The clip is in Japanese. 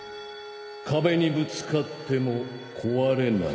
・壁にぶつかっても壊れない。